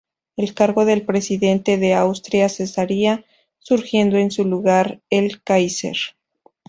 El cargo del Presidente de Austria cesaría, surgiendo en su lugar el Káiser.